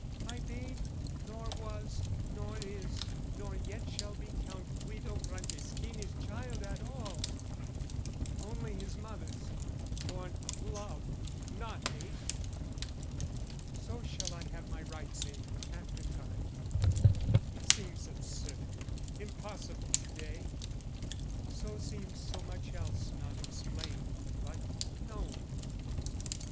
My babe nor was, nor is, nor yet shall be Count Guido Franceschini's child at all Only his mother's, born of love not hate! So shall I have my rights in after time. It seems absurd, impossible to day; So seems so much else not explained but known.